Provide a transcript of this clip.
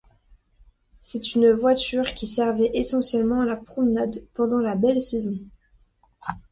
C'est une voiture qui servait essentiellement à la promenade, pendant la belle saison.